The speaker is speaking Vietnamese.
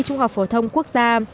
trung học vổ thông quốc gia